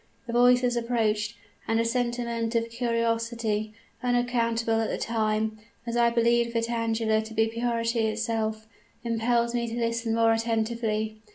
The voices approached; and a sentiment of curiosity, unaccountable at the time, as I believed Vitangela to be purity itself, impelled me to listen more attentively.